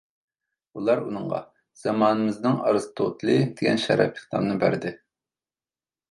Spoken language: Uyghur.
ئۇلار ئۇنىڭغا «زامانىمىزنىڭ ئارستوتىلى» دېگەن شەرەپلىك نامنى بەردى.